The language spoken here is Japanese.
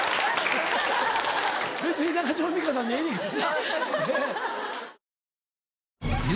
別に中島美嘉さんでええねんけどな。